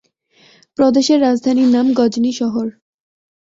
প্রদেশের রাজধানীর নাম গজনি শহর।